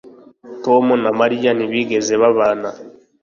tom na mariya ntibigeze babana